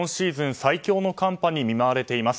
最強の寒波に見舞われています。